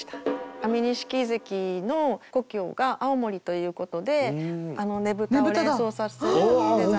安美錦関の故郷が青森ということでねぶたを連想させるデザイン。